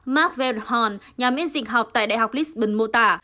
mark verhorn nhà mỹ dịch học tại đại học lisbon mô tả